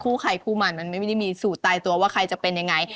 ใครคู่มันมันไม่ได้มีสูตรตายตัวว่าใครจะเป็นยังไง